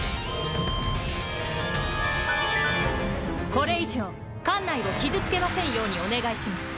これ以上艦内を傷つけませんようにお願いします。